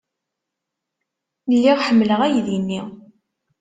Lliɣ ḥemmleɣ aydi-nni.